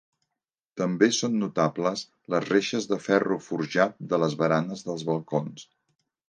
També són notables les reixes de ferro forjat de les baranes dels balcons.